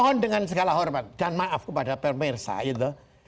mohon dengan segala hormat dan maaf kepada pemirsa gitu